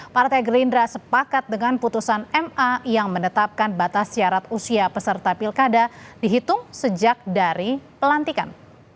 partai gerindra sepakat dengan putusan ma yang menetapkan batas syarat usia peserta pilkada dihitung sejak dari pelantikan